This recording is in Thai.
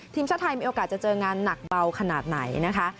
ทีมชาติไทยมีโอกาสจะเจองานหนักเบาขนาดไหนนะคะ